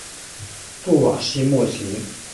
布瓦西莫吉。